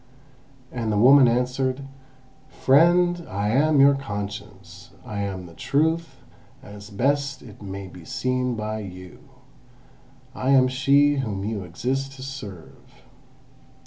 And the woman answered: "Friend, I am your Conscience; I am the Truth as best it may be seen by you. I am she whom you exist to serve."